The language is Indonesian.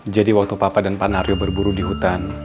jadi waktu papa dan pak naryo berburu di hutan